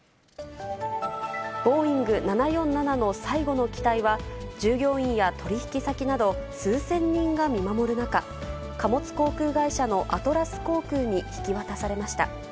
ボーイング７４７の最後の機体は、従業員や取り引き先など、数千人が見守る中、貨物航空会社のアトラス航空に引き渡されました。